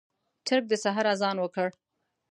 چرګ د سحر اذان وکړ.